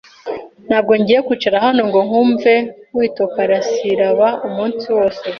Ntabwo ngiye kwicara hano ngo nkwumve witokarasiraba umunsi wose.